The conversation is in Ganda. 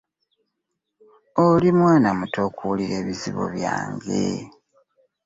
Oli mwana mutto okuwulira ebizibu byange.